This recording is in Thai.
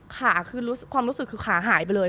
ขาคือความรู้สึกคือขาหายไปเลย